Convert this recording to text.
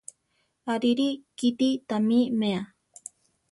Arirí! kíti tamí meʼá!